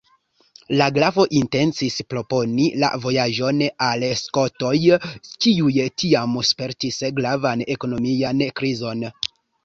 La grafo intencis proponi la vojaĝon al Skotoj, kiuj tiam spertis gravan ekonomian krizon.